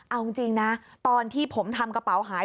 เอาจริงนะตอนที่ผมทำกระเป๋าหาย